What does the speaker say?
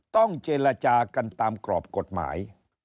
ต้องเจรจากันตามกรอบกฎหมาย